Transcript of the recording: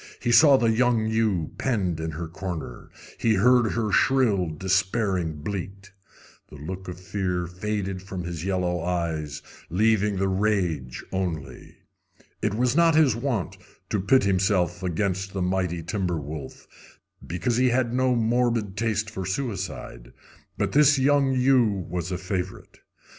He saw the young ewe penned in her corner. He heard her shrill, despairing bleat. The look of fear faded from his yellow eyes, leaving the rage only. It was not his wont to pit himself against the mighty timber wolf, because he had no morbid taste for suicide, but this young ewe was a favorite.